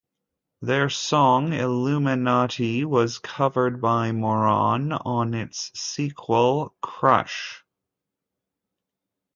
Their song "Illuminati" was covered by Moran on its sequel, "Crush!